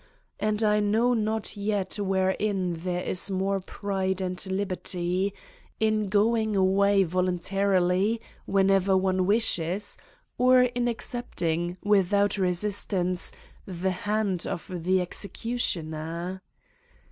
And I know not yet wherein there is more pride and liberty : in going away voluntarily, whenever one wishes, or in accepting, without resistance, the hand of the executioner?